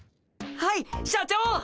はい社長っ！